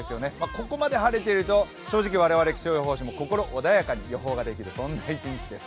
ここまで晴れていると正直、我々気象予報士も心穏やかに予報ができる、そんな一日です。